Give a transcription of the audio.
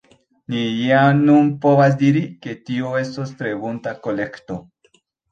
Ni jam nun povas diri ke tio estos tre bunta kolekto.